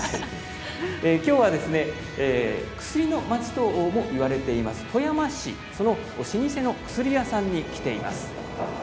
今日は薬の町ともいわれている富山市、老舗の薬屋さんに来ています。